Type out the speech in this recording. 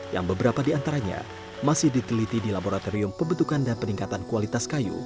yang beberapa di antaranya masih diteliti di laboratorium pebentukan dan peningkatan kualitas kayu